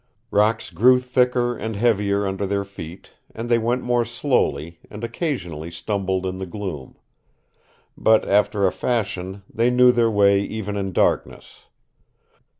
Rocks grew thicker and heavier under their feet, and they went more slowly, and occasionally stumbled in the gloom. But, after a fashion, they knew their way even in darkness.